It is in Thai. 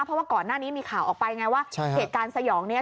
เพราะว่าก่อนหน้านี้มีข่าวออกไปไงว่าเหตุการณ์สยองนี้